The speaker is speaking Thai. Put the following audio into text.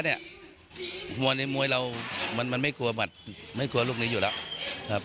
มัวอย่างนี้มวยเรามันไม่กลัวหมาดไม่กลัวลูกนี้อยู่แล้ว